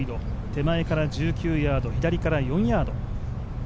手前から１９ヤード、左から４ヤード。